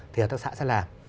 thì hợp tác xã sẽ làm